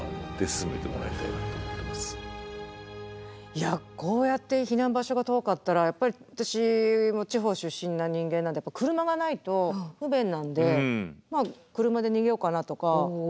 いやこうやって避難場所が遠かったらやっぱり私も地方出身な人間なんで車がないと不便なんで車で逃げようかなとか。